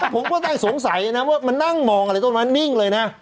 ผมก็ได้สงสัยนะว่ามันนั่งมองอะไรต้นไม้นิ่งเลยนะ